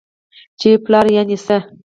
چې پلار يعنې څه؟؟!